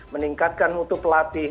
meningkatkan mutu pelatih